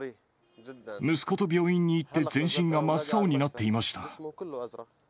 息子と病院に行って全身が真っ青になっていました。